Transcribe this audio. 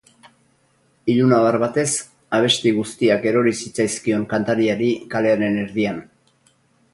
Ilunabar batez abesti guztiak erori zitzaizkion kantariari kalearen erdian.